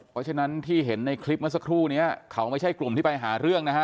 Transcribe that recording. เพราะฉะนั้นที่เห็นในคลิปเมื่อสักครู่นี้เขาไม่ใช่กลุ่มที่ไปหาเรื่องนะฮะ